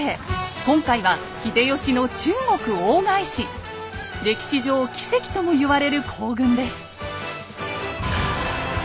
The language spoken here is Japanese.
今回は歴史上奇跡ともいわれる行軍です。